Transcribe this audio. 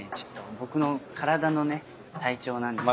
僕の体のね体調なんですけど。